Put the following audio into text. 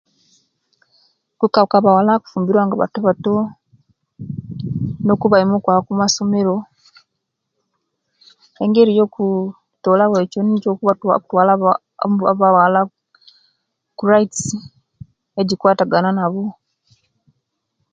Okaka bawala okufumbiruwa nga batobato, nokubaima okwaba okumasomero engeri yokutola wo echo nikyo okutwala abawala ku ritsi ebikwatagana nabo